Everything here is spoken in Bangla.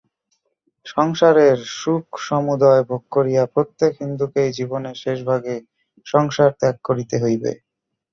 সংসারের সুখসমুদয় ভোগ করিয়া প্রত্যেক হিন্দুকেই জীবনের শেষভাগে সংসার ত্যাগ করিতে হইবে।